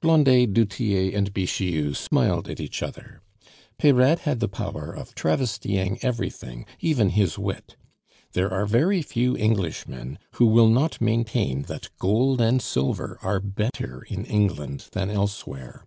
Blondet, du Tillet, and Bixiou smiled at each other. Peyrade had the power of travestying everything, even his wit. There are very few Englishmen who will not maintain that gold and silver are better in England than elsewhere.